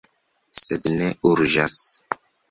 Sed ne urĝas.